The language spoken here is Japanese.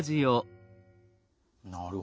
なるほど。